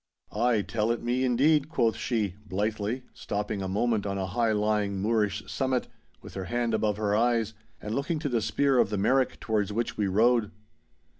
'Ay, tell it me, indeed!' quoth she, blithely, stopping a moment on a high lying moorish summit, with her hand above her eyes and looking to the Spear of the Merrick towards which we rode.